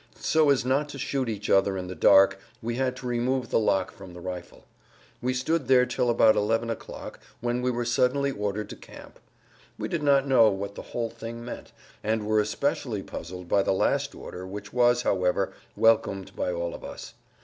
So as not to shoot each other in the dark we had to remove the lock from the rifle. We stood there till about 11 o'clock when we were suddenly ordered to camp. We did not know what the whole thing meant, and were especially puzzled by the last order which was, however, welcomed by all of us.